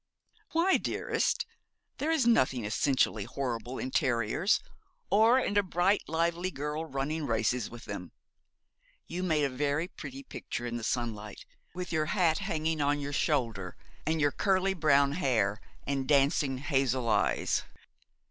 'Why, dearest? There is nothing essentially horrible in terriers, or in a bright lively girl running races with them. You made a very pretty picture in the sunlight, with your hat hanging on your shoulder, and your curly brown hair and dancing hazel eyes.